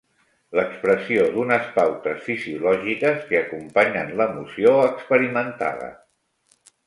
L'expressió d'unes pautes fisiològiques que acompanyen l'emoció experimentada.